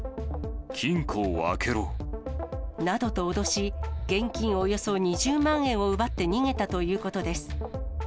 金庫を開けろ。などと脅し、現金およそ２０万円を奪って逃げたということです。